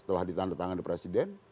setelah ditandatangani presiden